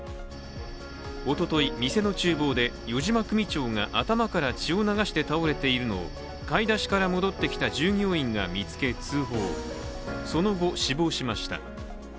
おととい店のちゅう房で、余嶋組長が頭から血を流して倒れているのを買い出しから戻ってきた従業員が見つけ通報、その後死亡しました。